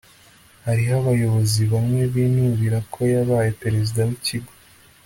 Hariho abayobozi bamwe binubira ko yabaye perezida wikigo